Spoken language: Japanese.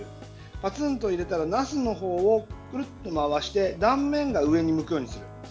パツンと入れたらなすのほうをくるっと回して断面が上に向くようにする。